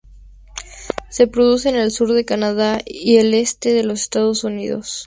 Se reproduce en el sur de Canadá y el este de los Estados Unidos.